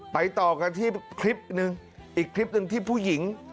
ต่อกันที่คลิปหนึ่งอีกคลิปหนึ่งที่ผู้หญิง